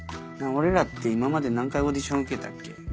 俺らって今まで何回オーディション受けたっけ？